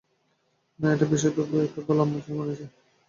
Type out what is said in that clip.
না, এটা বিশেষভাবে কেবল আম্মুর জন্য বানয়েছি।